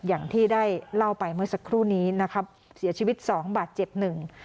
อย่างที่ได้เล่าไปเมื่อสักครู่นี้นะครับเสียชีวิตสองบาทเจ็บหนึ่ง